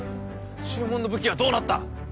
注文の武器はどうなった？